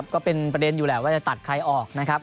ก็เป็นประเด็นอยู่แหละว่าจะตัดใครออกนะครับ